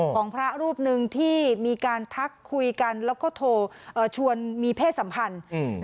ของพระรูปหนึ่งที่มีการทักคุยกันแล้วก็โทรเอ่อชวนมีเพศสัมพันธ์อืม